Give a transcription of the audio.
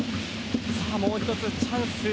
もう１つチャンス